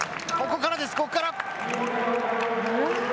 ここからです、ここから。